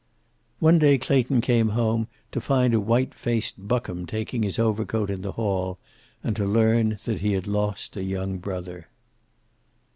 One day Clayton came home to find a white faced Buckham taking his overcoat in the hall, and to learn that he had lost a young brother.